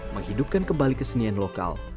menghidupkan kembali kesenian lokal